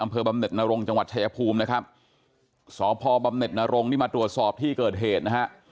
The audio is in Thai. บำเน็ตนรงจังหวัดชายภูมินะครับสพบำเน็ตนรงนี่มาตรวจสอบที่เกิดเหตุนะฮะ